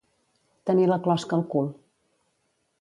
Tenir la closca al cul.